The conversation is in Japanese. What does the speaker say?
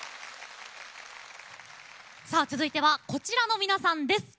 続いてはこちらの皆さんです。